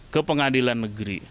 ke pengadilan negeri